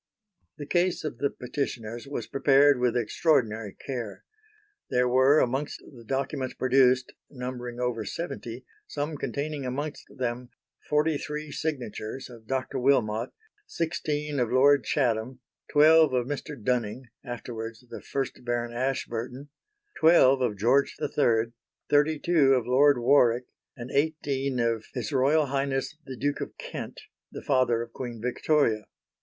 The Case of the Petitioners was prepared with extraordinary care. There were amongst the documents produced, numbering over seventy, some containing amongst them forty three signatures of Dr. Wilmot, sixteen of Lord Chatham, twelve of Mr. Dunning (afterwards the 1st Baron Ashburton), twelve of George III, thirty two of Lord Warwick and eighteen of H.R.H., the Duke of Kent, the father of Queen Victoria.